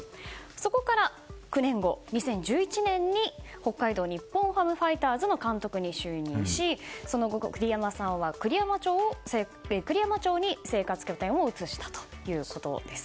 そこから９年後、２０１１年に北海道日本ハムファイターズの監督に就任しその後、栗山さんは栗山町に生活拠点を移したということです。